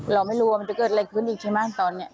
เราไม่รู้ว่ามันจะเกิดอะไรขึ้นอีกใช่ไหมตอนนี้